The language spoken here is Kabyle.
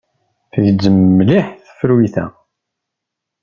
Tgezzem mliḥ tefrut-a.